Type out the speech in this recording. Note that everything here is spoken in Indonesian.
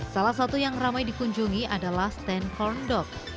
salah satu yang ramai dikunjungi adalah sten corn dog